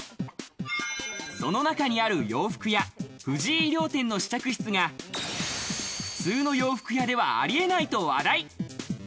その中にある洋服屋・藤井衣料店の試着室が普通の洋服屋ではありえないと話題。